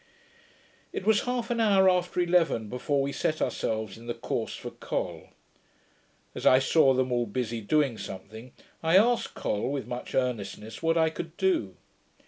It was half an hour after eleven before we set ourselves in the course for Col. As I saw them all busy doing something, I asked Col, with much earnestness, what I could do.